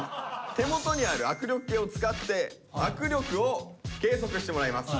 手元にある握力計を使って握力を計測してもらいます。